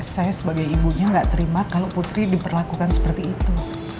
saya sebagai ibunya nggak terima kalau putri diperlakukan seperti itu